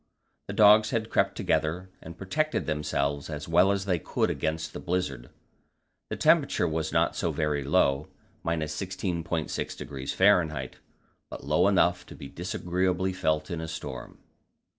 The dogs had all crept together, and protected themselves as well as they could against the blizzard. The temperature was not so very low ( 16.6° F.), but low enough to be disagreeably felt in a storm.